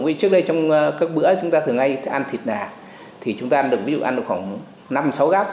vì trước đây trong các bữa chúng ta thường hay ăn thịt nạc thì chúng ta ăn được ví dụ ăn được khoảng năm sáu gắp